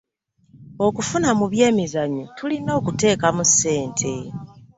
Okufuna mu by'emizannyo tulina okuteekamu ssente